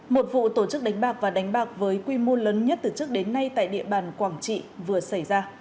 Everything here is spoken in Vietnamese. một vụ tổ chức đánh bạc và đánh bạc với quy mô lớn nhất từ trước đến nay tại địa bàn quảng trị vừa xảy ra